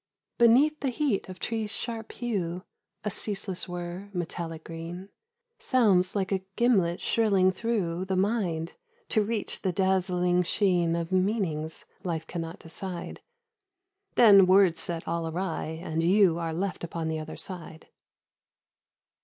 Beneath the heat of trees' sharp hue — A ceaseless whirr, metallic green, Sounds like a gimlet shrilling through The mind, to reach the dazzling sheen Of meanings life can not decide : Then words set all awry, and you Are left upon the other side.